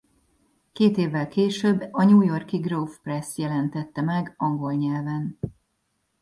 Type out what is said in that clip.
Két évvel később a New York-i Grove Press jelentette meg angol nyelven.